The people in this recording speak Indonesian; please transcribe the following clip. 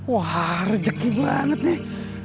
wah rejeki banget nih